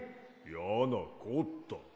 やなこった。